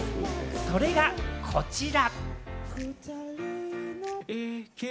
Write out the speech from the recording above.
それがこちら。